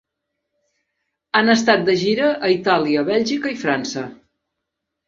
Han estat de gira a Itàlia, Bèlgica i França.